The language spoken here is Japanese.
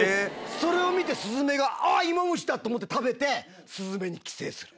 それを見てスズメがイモムシだ！って思って食べてスズメに寄生する。